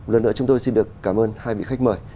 lần nữa chúng tôi xin được cảm ơn hai vị khách mời